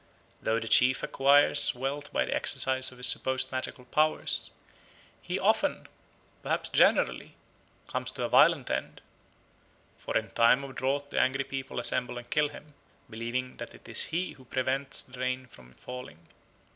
Though the chief acquires wealth by the exercise of his supposed magical powers, he often, perhaps generally, comes to a violent end; for in time of drought the angry people assemble and kill him, believing that it is he who prevents the rain from falling.